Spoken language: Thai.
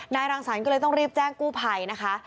นายรังสรรพลับเก็บน้ำก็เลยต้องรีบแจ้งกู้ภัยนะคะ